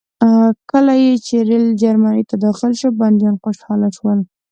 کله چې ریل جرمني ته داخل شو بندیان خوشحاله شول